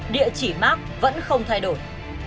địa chỉ mark vẫn không thay đổi